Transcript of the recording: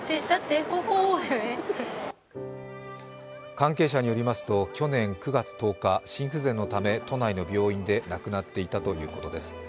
関係者によりますと去年９月１０日心不全のため都内の病院で亡くなっていたということです。